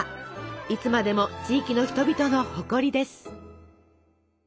いつまでも地域の人々の誇りです。